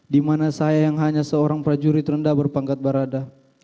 dimana saya yang hanya seorang prajurit rendah berpangkat barada